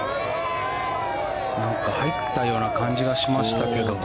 なんか入ったような感じがしましたけど。